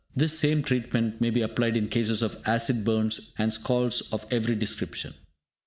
This same treatment may be applied in cases of acid burns, and scalds of every description.